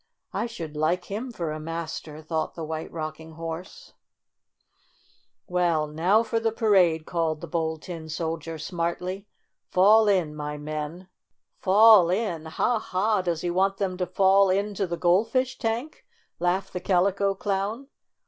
"I should like him for a master," thought the White Rocking Horse. 42 STORY OF A SAWDUST DOLL "Well, now for the parade!" called the Bold Tin Soldier smartly. "Fall in, my men!" "Fall in! Ha! Ha! Does he want them to fall into the Goldfish tank V 7 laughed the Calico Clown.